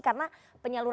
yang bisa mengevaluasi